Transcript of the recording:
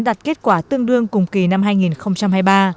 đạt kết quả tương đương cùng kỳ năm hai nghìn hai mươi ba